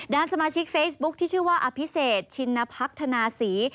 ด้านสมาชิกเฟซบุ๊คที่ชื่อว่าอภิเศษชินพัฒนาศรี